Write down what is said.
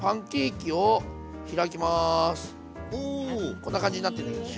こんな感じになってんだけどね。